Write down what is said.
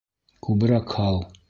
Күберәк һал!